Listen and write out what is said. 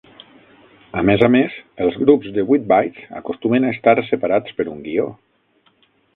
A més a més, els grups de vuit bytes acostumen a estar separats per un guió.